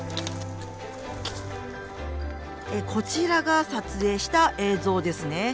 こちらが撮影した映像ですね。